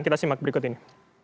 kita simak berikut ini